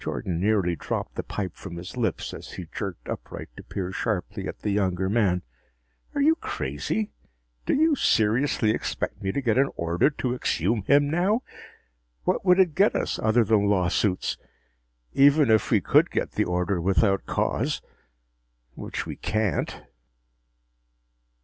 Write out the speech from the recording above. Jordan nearly dropped the pipe from his lips as he jerked upright to peer sharply at the younger man. "Are you crazy? Do you seriously expect me to get an order to exhume him now? What would it get us, other than lawsuits? Even if we could get the order without cause which we can't!"